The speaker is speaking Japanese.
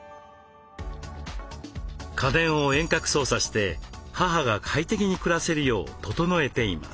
家電を遠隔操作して母が快適に暮らせるよう整えています。